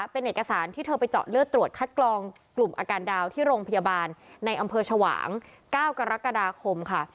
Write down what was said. เป็นเอกสารที่เธอไปเจาะเลือดตรวจคัดกรองกลุ่มอาการดาวที่โรงพยาบาลในอำเภอชวาง๙กรกฎาคมค่ะ